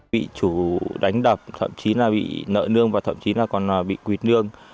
bị chủ đánh đập thậm chí là bị nợ nương và thậm chí là còn bị quỳt nương